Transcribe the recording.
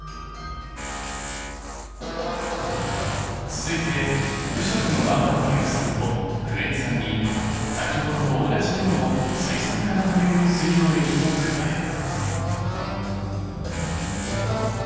続いて無色のままの硫酸とクエン酸に先ほどと同じ量の水酸化ナトリウム水溶液を加える。